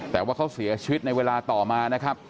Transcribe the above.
แต่ว่าเขาเสียชีวิตในเวลาต่อมานะครับ